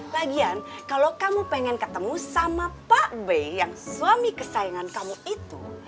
lagian kalau kamu pengen ketemu sama pak b yang suami kesayangan kamu itu